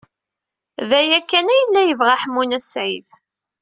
D aya kan ay yella yebɣa Ḥemmu n At Sɛid.